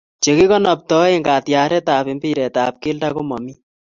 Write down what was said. Chekikonobtoe katyaretab mpiretab Keldo komomi?